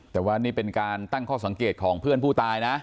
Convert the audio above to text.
แต่ว่านี่เป็นการตั้งข้อสังเกตของเพื่อนผู้ตายนะ